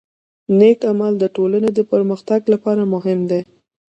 نیک عمل د ټولنې د پرمختګ لپاره مهم دی.